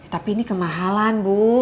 tapi ini kemahalan bu